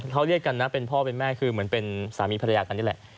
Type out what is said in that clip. เขาเรียกกันนะเป็นพ่อเป็นแม่คือเหมือนเป็นสามีภรรยากันนี่แหละ